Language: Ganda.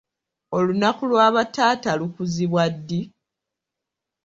Olunaku lwa bataata lukuzibwa ddi?